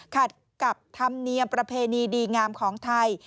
ขัดกับธรรมเนียมประเพณีดีงามของไทย